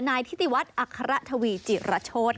นายทิติวัฒน์อัคระทวีจิระโชธค่ะ